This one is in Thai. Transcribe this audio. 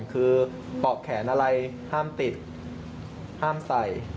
คือปอกแขนอะไรห้ามติดห้ามใส่